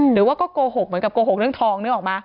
หรือว่าก็โกหกเหมือนกับโกหกเรื่องทองนึกออกมา